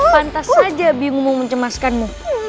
pantas saja bingung mau mencemaskanmu